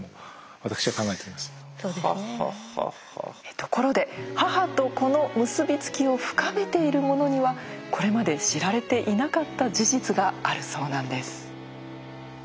ところで母と子の結び付きを深めているものにはこれまで知られていなかった事実があるそうなんです。